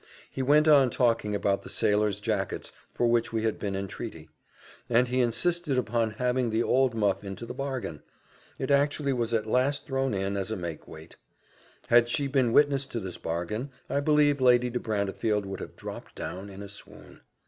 He went on talking about the sailors' jackets, for which we had been in treaty; and he insisted upon having the old muff into the bargain. It actually was at last thrown in as a makeweight. Had she been witness to this bargain, I believe Lady De Brantefield would have dropped down in a swoon.